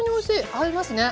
合いますね。